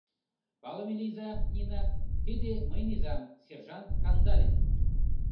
— Палыме лийза, Нина: тиде мыйын изам, сержант Кандалин.